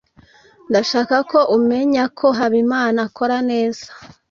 ndashaka ko umenya ko habimana akora neza